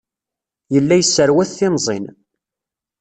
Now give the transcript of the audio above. Yella yesserwat timẓin.